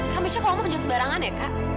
habisnya kalau mau kejut sebarangan ya kak